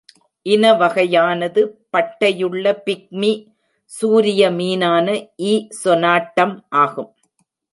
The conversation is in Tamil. இன வகையானது, பட்டையுள்ள பிக்மி சூரியமீனான "ஈ. சொனாட்டம்" ஆகும்.